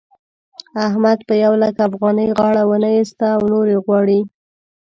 احمد په يو لک افغانۍ غاړه و نه اېسته او نورې غواړي.